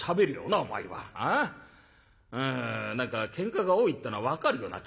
ん何かけんかが多いってのは分かるような気がするよ。